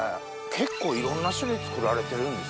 結構いろんな種類作られてるんですね。